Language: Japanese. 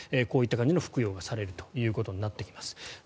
こういった方にも服用されるということになってきます。